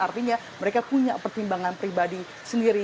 artinya mereka punya pertimbangan pribadi sendiri